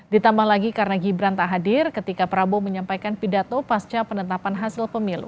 ditambah lagi karena gibran tak hadir ketika prabowo menyampaikan pidato pasca penetapan hasil pemilu